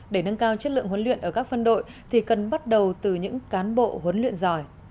để nâng cao chất lượng huấn luyện ở các phân đội thì cần bắt đầu từ những cán bộ huấn luyện giỏi